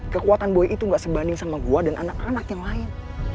kekuatan boy itu gak sebanding sama gue dan anak anak yang lain